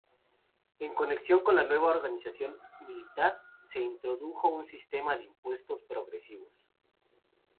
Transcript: En conexión con la nueva organización militar, se introdujo un sistema de impuestos progresivos.